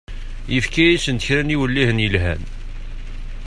Yefka-asent kra n yiwellihen yelhan.